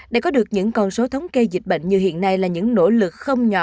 để có được những con số thống kê dịch bệnh như hiện nay là những nỗ lực không nhỏ